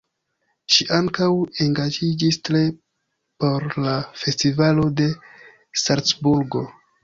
Ŝi ankaŭ engaĝiĝis tre por la Festivalo de Salcburgo.